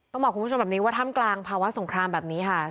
ต้องบอกคุณผู้ชมแบบนี้ว่าท่ามกลางภาวะสงครามแบบนี้ค่ะ